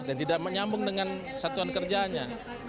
dan menyambung dengan satuan kerjaannya